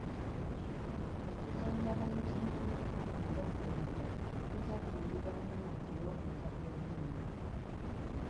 Enzijanjaba y'ekinnansi ey'okulagulwa tekyajjumbirwa nnyo olw'okujja kw'eddiini.